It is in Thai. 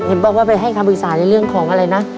บอกว่าไปให้คำปรึกษาในเรื่องของอะไรนะ